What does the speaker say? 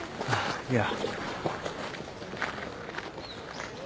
いや。